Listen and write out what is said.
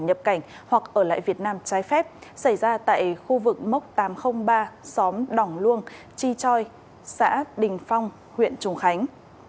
nhập cảnh hoặc ở lại việt nam trái phép xảy ra tại khu vực mốc tám trăm linh ba xóm đỏng luông chi choi xã đình phong huyện trùng khánh